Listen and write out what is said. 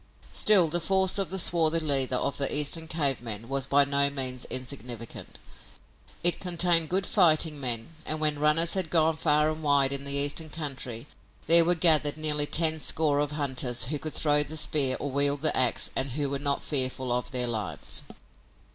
Still, the force of the swarthy leader of the Eastern cave men was by no means insignificant. It contained good fighting men, and, when runners had gone far and wide in the Eastern country, there were gathered nearly ten score of hunters who could throw the spear or wield the ax and who were not fearful of their lives.